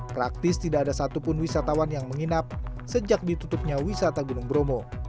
praktis tidak ada satupun wisatawan yang menginap sejak ditutupnya wisata gunung bromo